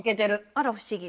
あら不思議